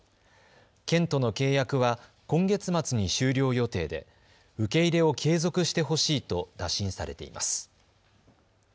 県との契約は今月末に終了予定で受け入れを継続してほしいと打診されています。